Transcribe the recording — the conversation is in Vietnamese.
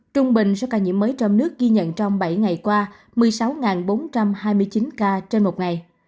trung bình số ca nhiễm mới trong nước ghi nhận trong bảy ngày qua một mươi sáu bốn trăm hai mươi chín ca trên một ngày